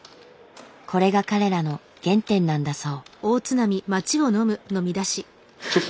これが彼らの原点なんだそう。